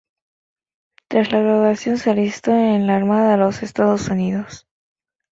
Tras la graduación se alistó en la Armada de los Estados Unidos.